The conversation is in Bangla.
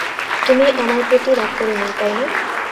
তুমি আমার প্রতি রাগ করে নেই, তাইনা?